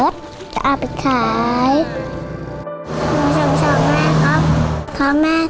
ผมชอบแม่ครับเพราะแม่ทำงานหนัก